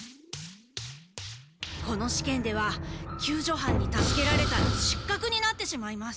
この試験では救助班に助けられたら失格になってしまいます。